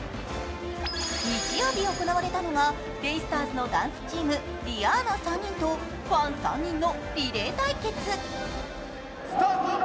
日曜日、行われたのがベイスターズのダンスチーム、ｄｉａｎａ、３人とファン３人のリレー対決。